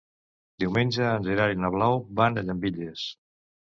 Diumenge en Gerard i na Blau van a Llambilles.